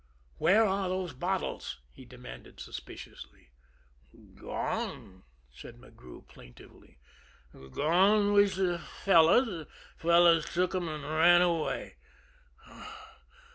"Where are those bottles?" he demanded suspiciously. "Gone," said McGrew plaintively. "Gone witsh fellows fellows took 'em an' ran 'way.